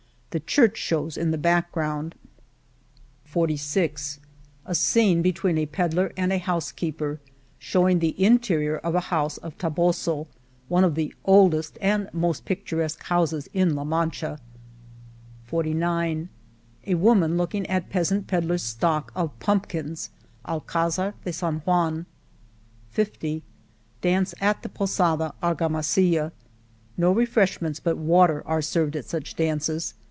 The church shows in the background, 4s List of Illustrations Pag9 A scene between a pedler and a house keeper ^ showing the interior of a house of Tohoso — one of the oldest and most picturesque houses in La Mancha, . 46 A woman looking at peasant pedler' s stock of pump kins — Alcdzar de San Juan, ... '49 Dance at the Posada, Argamasilla, No refresh ments but water are served at such dances.